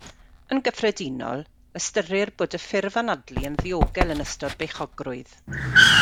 Yn gyffredinol, ystyrir bod y ffurf anadlu yn ddiogel yn ystod beichiogrwydd.